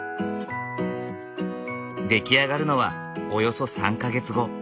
出来上がるのはおよそ３か月後。